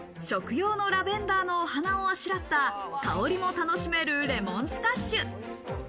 食用のラベンダーのお花をあしらった、香りも楽しめるレモンスカッシュ。